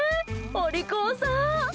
お利口さん！